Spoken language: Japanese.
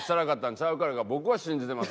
言うから僕は信じてます。